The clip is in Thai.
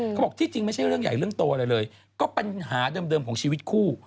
เขาบอกที่จริงไม่ใช่เรื่องใหญ่เรื่องโตอะไรเลยก็ปัญหาเดิมของชีวิตคู่